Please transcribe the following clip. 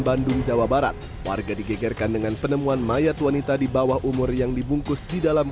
bandung jawa barat warga digegerkan dengan penemuan mayat wanita di bawah umur yang dibungkus di dalam